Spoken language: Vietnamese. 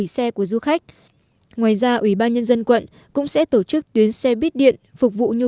xe của du khách ngoài ra ủy ban nhân dân quận cũng sẽ tổ chức tuyến xe buýt điện phục vụ nhu